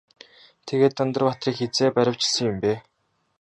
Тэгээд Дандар баатрыг хэзээ баривчилсан юм бэ?